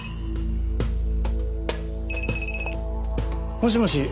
もしもし？